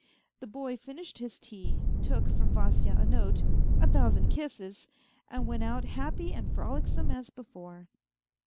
The boy finished his tea, took from Vasya a note, a thousand kisses, and went out happy and frolicsome as before.